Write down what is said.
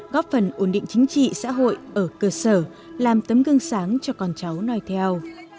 góp phần ổn định chính trị xã hội ở cơ sở làm tấm gương sáng cho con cháu nói theo